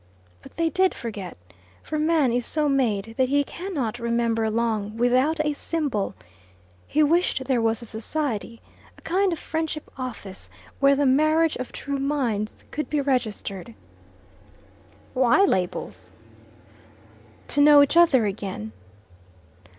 But they did forget, for man is so made that he cannot remember long without a symbol; he wished there was a society, a kind of friendship office, where the marriage of true minds could be registered. "Why labels?" "To know each other again."